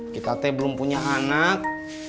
kita teh belum punya anak